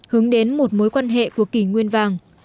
hướng đến một mối quan hệ của kỷ nguyên vàng